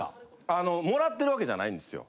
あのもらってるわけじゃないんですよ。